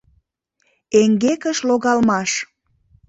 ЭҥГЕКЫШ ЛОГАЛМАШ